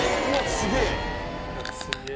すげえな！